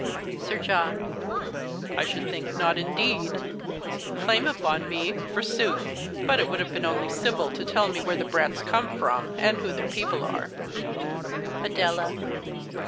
Sir John. I should think not, indeed. Claim upon me, forsooth ! But it would have been only civil to tell me Avhere the brats come from, and who their people are. Adela.